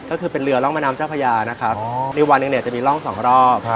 ก็คือเป็นเรือร่องบ้านมนามเจ้าพระยาในวันนึงจะมีร่องสองรอบ